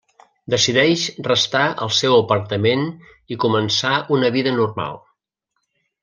Decideix restar al seu apartament i començar una vida normal.